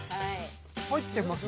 入ってます？